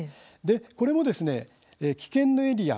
これも危険なエリア